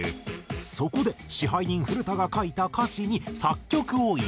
そこで支配人古田が書いた歌詞に作曲を依頼。